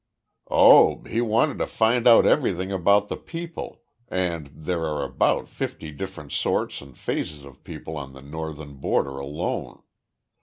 "Oh, he wanted to find out everything about the people and there are about fifty different sorts and phases of people on the Northern border alone.